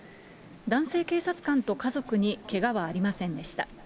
男性警察官と家族にけがはありませんでした。